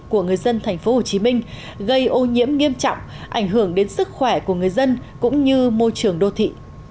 của người dân tp hcm gây ô nhiễm nghiêm trọng ảnh hưởng đến sức khỏe của người dân cũng như môi trường đô thị